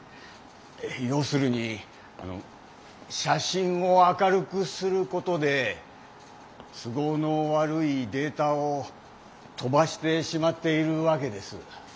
要するに写真を明るくすることで都合の悪いデータを飛ばしてしまっているわけです。